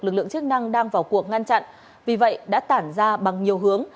lực lượng chức năng đang vào cuộc ngăn chặn vì vậy đã tản ra bằng nhiều hướng